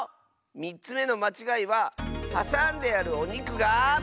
３つめのまちがいははさんであるおにくが。